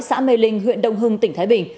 xã mê linh huyện đồng hưng tỉnh thái bình